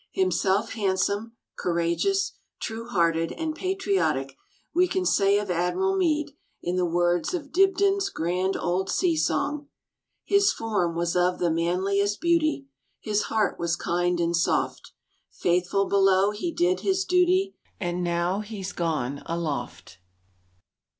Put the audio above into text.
Himself handsome, coura geous, true hearted, and patriotic, we can say of Admiral Meade, in the words of Dibclin's grand old sea song :" His form was of the manliest beauty, His heart was kind and soft ; Faithful below he did his duty, And now he's gone aloft."